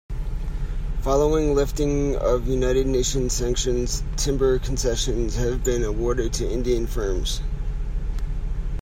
Following lifting of United Nations sanctions, timber concessions have been awarded to Indian firms.